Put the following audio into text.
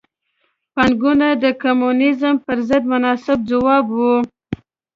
پانګونه د کمونیزم پر ضد مناسب ځواب و.